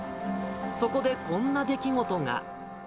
そこでこんな出来事が。